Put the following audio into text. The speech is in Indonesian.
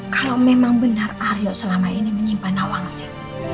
kalau memang benar aryo selama ini menyimpan nawangsi